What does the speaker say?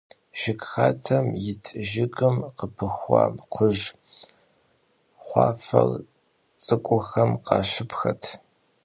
Jjıg xadem yit jjıgım khıpıxua kxhuj xhuaxer ts'ık'uxem khaşıpxet.